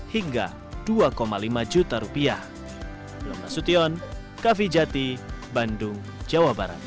hingga rp dua lima juta